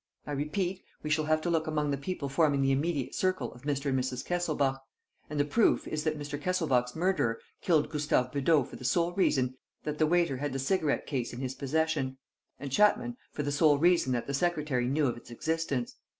I repeat, we shall have to look among the people forming the immediate circle of Mr. and Mrs. Kesselbach. And the proof is that Mr. Kesselbach's murderer killed Gustave Beudot for the sole reason that the waiter had the cigarette case in his possession; and Chapman for the sole reason that the secretary knew of its existence.